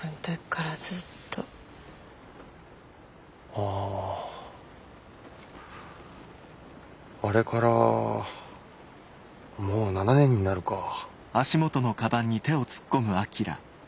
あれからもう７年になるかぁ。